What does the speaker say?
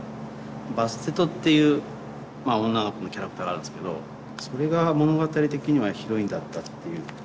バステトっていう女の子のキャラクターがあるんですけどそれが物語的にはヒロインだったっていう。